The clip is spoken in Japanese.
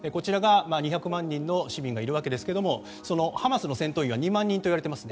２００万人の市民がいますがハマスの戦闘員は２万人といわれています。